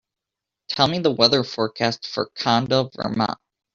Tell me the weather forecast for Conda, Vermont